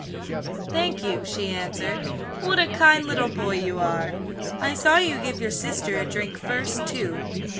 "Thank you," she answered. "What a kind little boy you are! I saw you give your sister a drink first, too.